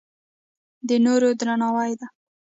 د نورو درناوی ده.